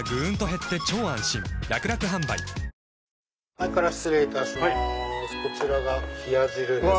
前から失礼いたします